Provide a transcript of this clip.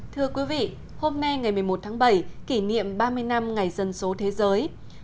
thưa quý vị hôm nay ngày một mươi một tháng bảy kỷ niệm ba mươi năm ngày dân số thế giới